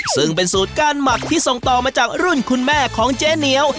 ซึ่งเป็นสูตรก้านหมักที่ส่งต่อมาจากรุ่นคุณแม่ของเจ๊เหนียว